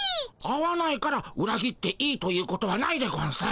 会わないからうら切っていいということはないでゴンス。